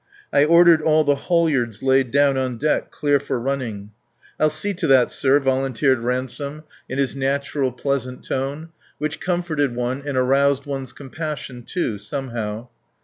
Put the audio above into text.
I ordered all the halyards laid down on deck clear for running. "I'll see to that, sir," volunteered Ransome in his natural, pleasant tone, which comforted one and aroused one's compassion, too, somehow.